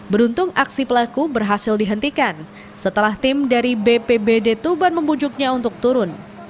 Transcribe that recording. beruntung aksi pelaku berhasil dihentikan setelah tim dari bpbd tuban membujuknya untuk turun